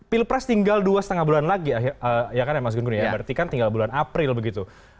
pilpres tinggal dua lima bulan lagi ya kan mas gunguni berarti kan tinggal bulan april begitu